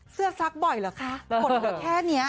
เสื้อซักบ่อยเหรอคะขนเหลือแค่เนี้ย